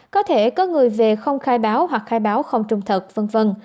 có thể có người về không khai báo hoặc khai báo không trung thật v v